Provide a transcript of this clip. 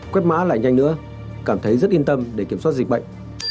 quét mã là nhanh nữa cảm thấy rất yên tâm để kiểm soát dịch bệnh